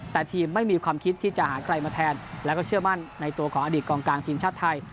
แต่ทีมไม่มีความคิดที่จะหาใครมาแทนแล้วก็เชื่อมั่นในตัวของอดีตกองกลางทีมชาติไทย